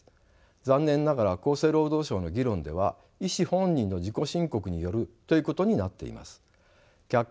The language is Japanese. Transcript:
残念ながら厚生労働省の議論では医師本人の自己申告によるということになっています。